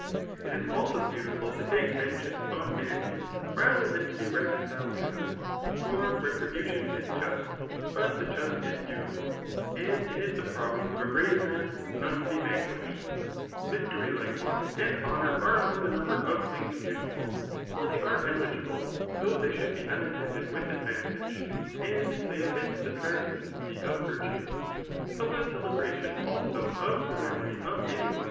It is also beautiful to take ven geance on enemies rather than to be reconciled to them. For retribution is just ; but the just is beautiful y and it is the province of a byaye pun x«?t to J)? v^o^yish^ ViCt 54 THJB ART OF bom: U toty, likewise^ and bonour are aaoAg tbe aamber <if things beautiful ; for they are digible Chough they dmiild l>e unattended with 4dvantage> and they emce the trass* pendency of virtue* Public celebmtioBa, al8o» of the memory of.